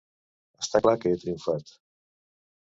Està clar que he triomfat.